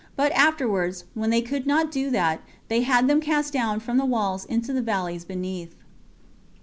But afterwards, when they could not do that, they had them cast down from the walls into the valleys beneath.